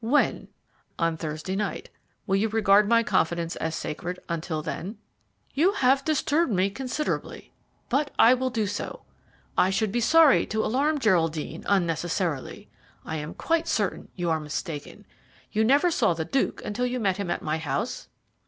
"When?" "On Thursday night. Will you regard my confidence as sacred until then?" "You have disturbed me considerably, but I will do so. I should be sorry to alarm Geraldine unnecessarily. I am quite certain you are mistaken. You never saw the Duke until you met him at my house?"